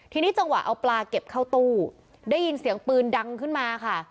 ทีนี้จังหวะเอาปลาเก็บเข้าตู้ได้ยินเสียงปืนดังขึ้นมาค่ะ